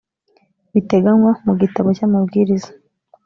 biteganywa mu gitabo cy amabwiriza